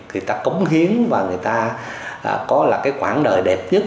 thì ta cống hiến và người ta có quảng đời đẹp nhất